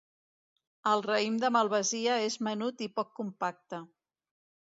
El raïm de malvasia és menut i poc compacte.